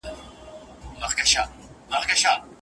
آيا له خاوند سره سفر کول مسئوليت دی؟